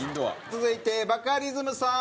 続いてバカリズムさん。